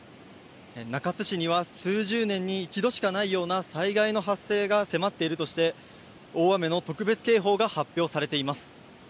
中津市には数十年に一度しかないような災害の発生が迫っているとして大雨の特別警報が発表されています。